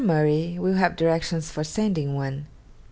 Murray will have directions for sending one.